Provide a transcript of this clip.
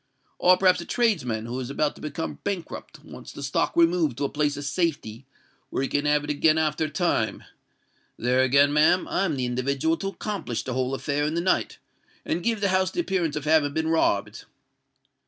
Or perhaps a tradesman who is about to become bankrupt, wants the stock removed to a place of safety where he can have it again after a time: there again, ma'am, I'm the individual to accomplish the whole affair in the night, and give the house the appearance of having been robbed.